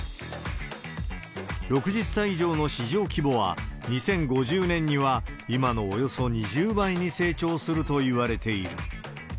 ６０歳以上の市場規模は、２０５０年には今のおよそ２０倍に成長するといわれている。